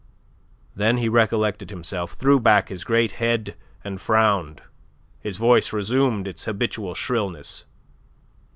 Then he recollected himself, threw back his great head and frowned. His voice resumed its habitual shrillness.